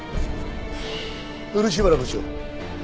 漆原部長